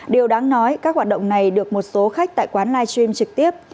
điều đáng nói các hoạt động này được một số khách tại quán live stream trực tiếp